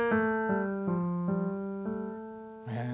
へえ。